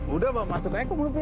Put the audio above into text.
udah mau masuk ekor mulutnya